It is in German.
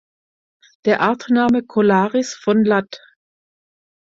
Der Artname "collaris" von lat.